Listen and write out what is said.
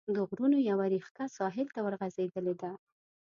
د غرونو یوه ريښکه ساحل ته ورغځېدلې ده.